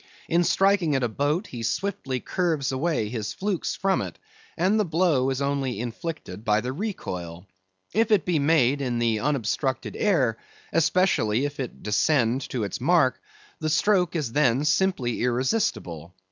In striking at a boat, he swiftly curves away his flukes from it, and the blow is only inflicted by the recoil. If it be made in the unobstructed air, especially if it descend to its mark, the stroke is then simply irresistible.